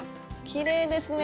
きれいですね。